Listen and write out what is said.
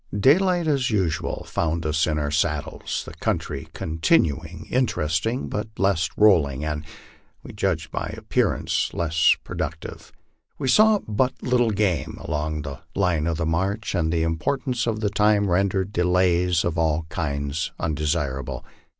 Daylight as usual found us in our saddles, the country continuing interest ing but less rolling, and (we judge by appearances) less productive. We saw but little game along our line of march, and the importance of time rendered delays of all kinds undesirable.